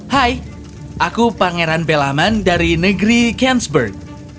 hai aku pangeran belaman dari negeri kensburg